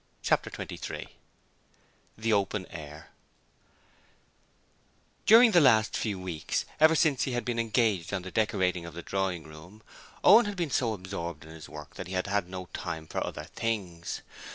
Chapter 23 The 'Open air' During the last few weeks ever since he had been engaged on the decoration of the drawing room, Owen had been so absorbed in his work that he had no time for other things.